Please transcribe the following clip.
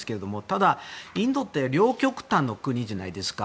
ただ、インドって両極端の国じゃないですか。